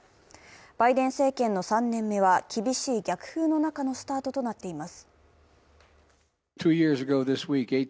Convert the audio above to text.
バイデン政権の３年目は厳しい逆風の中のスタートとなっています。